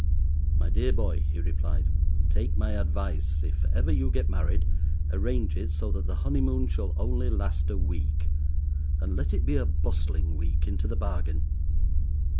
"My dear boy," he replied; "take my advice, if ever you get married, arrange it so that the honeymoon shall only last a week, and let it be a bustling week into the bargain.